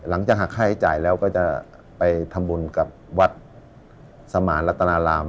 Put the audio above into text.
หลังจากหักค่าใช้จ่ายแล้วก็จะไปทำบุญกับวัดสมานรัตนาราม